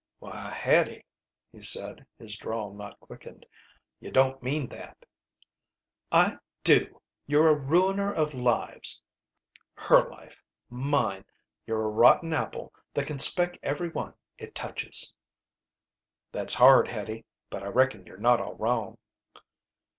"Why, Hattie," he said, his drawl not quickened, "you don't mean that!" "I do! You're a ruiner of lives! Her life! Mine! You're a rotten apple that can speck every one it touches." "That's hard, Hattie, but I reckon you're not all wrong."